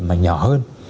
mà nhỏ hơn